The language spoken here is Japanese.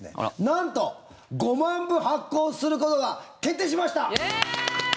なんと、５万部発行することが決定しました！